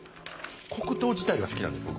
黒糖自体が好きなんです僕。